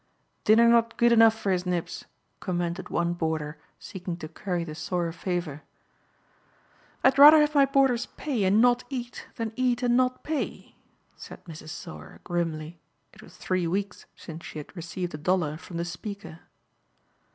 "Dinner not good enough for his nibs," commented one boarder seeking to curry the Sauer favor. "I'd rather have my boarders pay and not eat than eat and not pay," said Mrs. Sauer grimly. It was three weeks since she had received a dollar from the speaker.